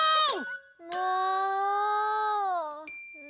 もう！